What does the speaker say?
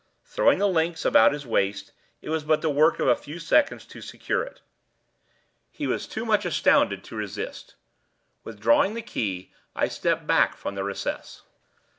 Throwing the links about his waist, it was but the work of a few seconds to secure it. He was too much astounded to resist. Withdrawing the key I stepped back from the recess.